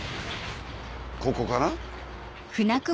ここかな？